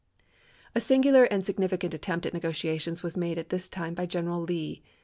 A singular and significant attempt at negotiations was made at this time by General Lee.